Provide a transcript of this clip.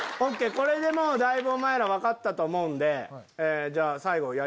これでもうだいぶお前ら分かったと思うんでじゃあ。